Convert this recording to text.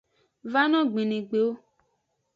Vano gbenegbe o.